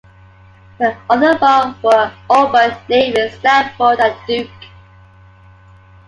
The other four were Auburn, Navy, Stanford, and Duke.